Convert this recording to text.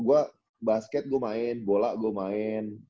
gua basket gua main bola gua main